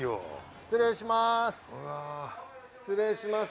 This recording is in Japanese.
失礼します。